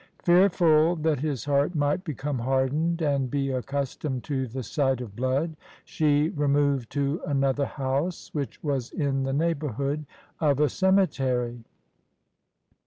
Fearful that his heart might become hardened and be accustomed to the sight of blood, she removed to another house, which was in the neighbor hood of a cemetery.